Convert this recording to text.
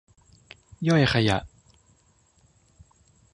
ย่อยขยะ